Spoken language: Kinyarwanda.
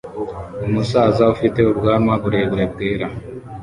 Umusaza ufite ubwanwa burebure bwera